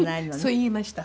そう言いました。